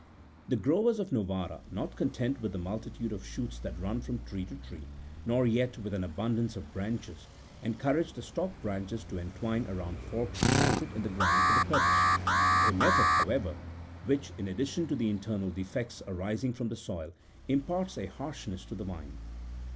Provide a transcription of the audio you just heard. The growers of Novara, not content with the mul titude of shoots that run from tree to tree, nor yet with an abundance of branches, encourage the stock branches to en twine around forks planted in the ground for the purpose ; a method, however, which, in addition to the internal defects arising from the soil, imparts a harshness to the wine.